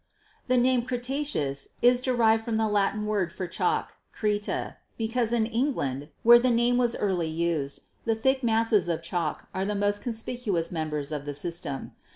"The name 'Cretaceous' is derived from the Latin word for chalk, 'Creta,' because in England, where the name was early used, the thick masses of chalk are the most conspicuous members of the system.